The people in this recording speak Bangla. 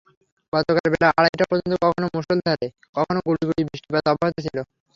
গতকাল বেলা আড়াইটা পর্যন্ত কখনো মুষলধারে, কখনোবা গুঁড়ি গুঁড়ি বৃষ্টিপাত অব্যাহত ছিল।